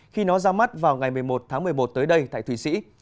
khi nó ra mắt vào ngày một mươi một tháng một mươi một tới đây tại thủy sĩ